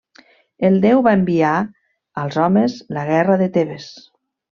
El déu va enviar als homes la Guerra de Tebes.